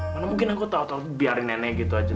mana mungkin aku tau tau biarin nenek gitu aja